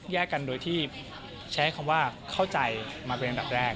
แยกกันโดยที่ใช้คำว่าเข้าใจมาเป็นอันดับแรก